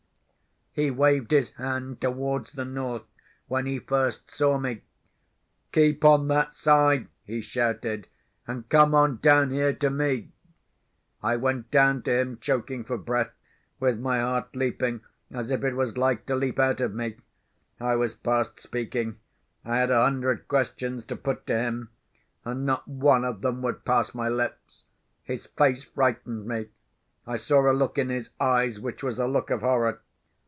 He waved his hand towards the north, when he first saw me. "Keep on that side!" he shouted. "And come on down here to me!" I went down to him, choking for breath, with my heart leaping as if it was like to leap out of me. I was past speaking. I had a hundred questions to put to him; and not one of them would pass my lips. His face frightened me. I saw a look in his eyes which was a look of horror.